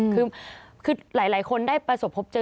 คือหลายคนได้ประสบพบเจอ